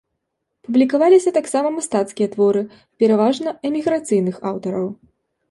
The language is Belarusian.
Публікаваліся таксама мастацкія творы, пераважна эміграцыйных аўтараў.